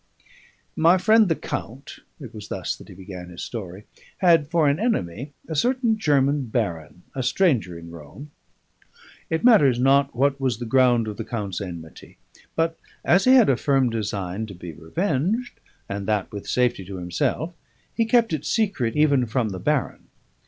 "My friend the count," it was thus that he began his story, "had for an enemy a certain German baron, a stranger in Rome. It matters not what was the ground of the count's enmity; but as he had a firm design to be revenged, and that with safety to himself, he kept it secret even from the baron.